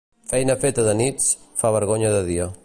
Feina feta de nits, fa vergonya de dia.